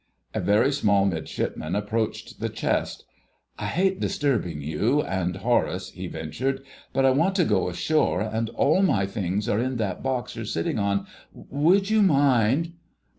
A very small Midshipman approached the chest. "I hate disturbing you, and Horace," he ventured, "but I want to go ashore, and all my things are in that box you're sitting on—would you mind...?"